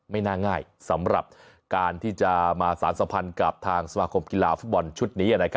ไม่น่าง่ายสำหรับการที่จะมาสารสัมพันธ์กับทางสมาคมกีฬาฟุตบอลชุดนี้